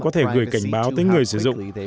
có thể gửi cảnh báo tới người sử dụng